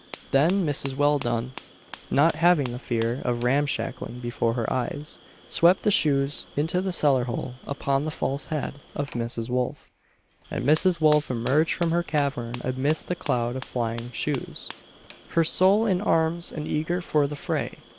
Then Mrs. Welldone, not having the fear of ramshackleing before her eyes, swept the shoes into the cellar hole upon the false head of Mrs. Wolf, and Mrs. Wolf emerged from her cavern amidst the cloud of flying shoes, "her soul in arms and eager for the 'fray."